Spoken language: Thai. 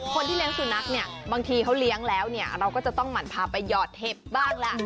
คนที่เลี้ยงสุนัขเนี่ยบางทีเขาเลี้ยงแล้วเนี่ยเราก็จะต้องหั่นพาไปหยอดเห็บบ้างล่ะ